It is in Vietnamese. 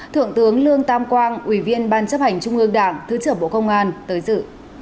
thượng tướng lương tam quang ủy viên ban chấp hành trung ương đảng thứ trưởng bộ công an tới dự